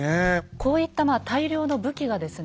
こういった大量の武器がですね